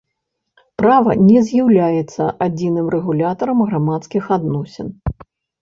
Права не з'яўляецца адзіным рэгулятарам грамадскіх адносін.